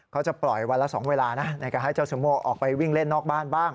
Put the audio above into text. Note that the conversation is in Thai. เขาจะปล่อยวันละ๒เวลานะในการให้เจ้าซูโม่ออกไปวิ่งเล่นนอกบ้านบ้าง